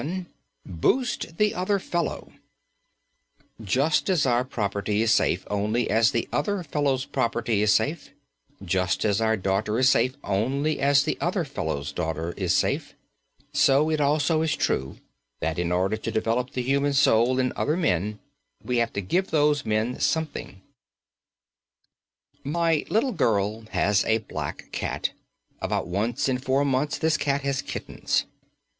VII BOOST THE OTHER FELLOW Just as our property is safe only as the other fellow's property is safe, just as our daughter is safe only as the other fellow's daughter is safe, so it also is true that in order to develop the human soul in other men, we have to give those men something. My little girl has a black cat; about once in four months this cat has kittens.